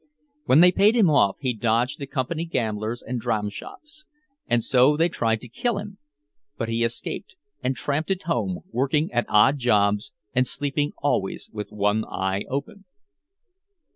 When they paid him off he dodged the company gamblers and dramshops, and so they tried to kill him; but he escaped, and tramped it home, working at odd jobs, and sleeping always with one eye open.